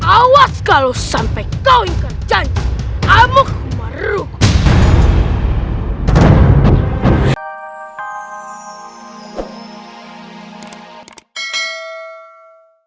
awas kalau sampai kau ingat janji amukumarukul